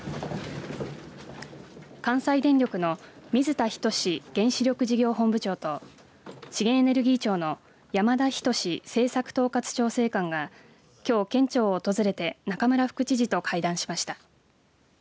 関西電力の水田仁原子力事業本部長と資源エネルギー庁の山田仁政策統括調整官がきょう県庁を訪れて中村副知事と会談しました。